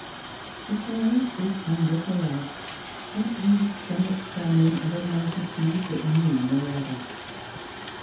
Beside this hunger for love, what was the stomach famine of a multitude that knew no other?